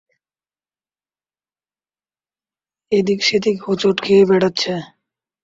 এদিক-সেদিক হোঁচট খেয়ে বেড়াচ্ছ!